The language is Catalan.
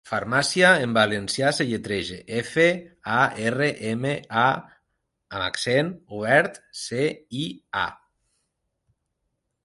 'Farmàcia' en valencià es lletreja: efe, a, erre, eme, a amb accent obert, ce, i, a.